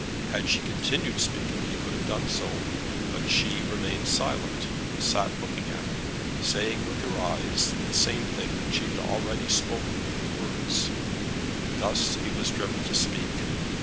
Had she continued speaking he would have done so. But she remained silent, and sat looking at him, saying with her eyes the same thing that she had already spoken with her words. Thus he was driven to speak.